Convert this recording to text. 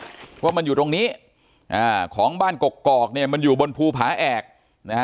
เพราะว่ามันอยู่ตรงนี้อ่าของบ้านกกอกเนี่ยมันอยู่บนภูผาแอกนะฮะ